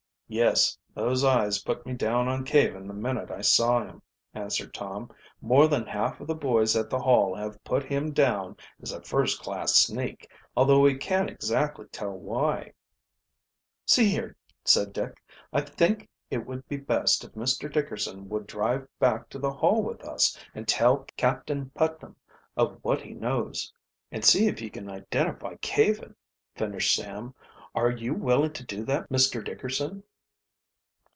"Yes, those eyes put me down on Caven the minute I saw him," answered Tom. "More than half of the boys at the Hall have put him down as a first class sneak, although we can't exactly tell why." "See here," said Dick. "I think it would be best if Mr. Dickerson would drive back to the Hall with us and tell Captain Putnam of what he knows." "And see if he can identify Caven," finished Sam. "Are you willing to do that, Mr. Dickerson?"